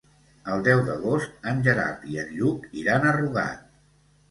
El deu d'agost en Gerard i en Lluc iran a Rugat.